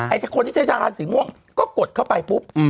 คนที่ใช้ชาการสีม่วงก็กดเข้าไปปุ๊บ